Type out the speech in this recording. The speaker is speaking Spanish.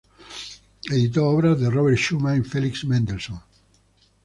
Editó obras de Robert Schumann y Felix Mendelssohn.